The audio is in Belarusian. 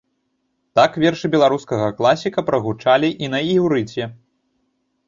Так вершы беларускага класіка прагучалі і на іўрыце.